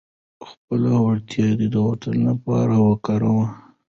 خپلې وړتیاوې د وطن لپاره وکاروئ.